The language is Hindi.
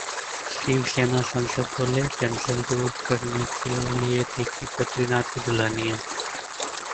शिवसेना सांसद बोले, टेंशन दूर करने के लिए देखी 'बद्रीनाथ की दुल्हनिया'